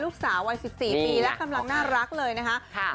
ลูกสาววัย๑๔ปีและกำลังน่ารักเลยนะคะ